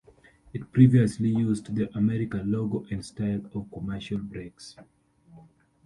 It previously used the American logo and style of commercial breaks.